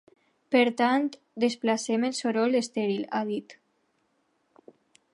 Per tant, desplacem el soroll estèril, ha dit.